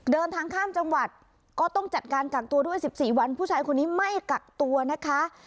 เดินทางข้ามจังหวัดก็ต้องจัดการกักตัวด้วย๑๔วันผู้ชายคนนี้ไม่กักตัวนะคะ